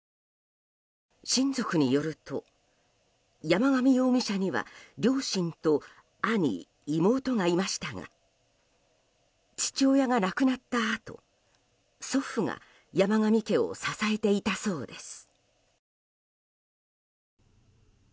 親族によると、山上容疑者には両親と兄、妹がいましたが父親が亡くなったあと祖父が山上家を支えていたそうです。